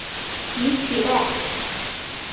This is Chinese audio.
以取代。